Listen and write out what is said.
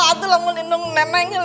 itu yang mau di dongakunnya neng